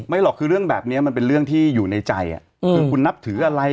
หรอกคือเรื่องแบบนี้มันเป็นเรื่องที่อยู่ในใจคือคุณนับถืออะไร